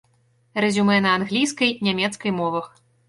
Рэзюмэ на англійскай, нямецкай мовах.